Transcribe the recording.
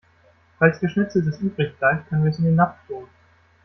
Falls Geschnetzeltes übrig bleibt, können wir es in den Napf tun.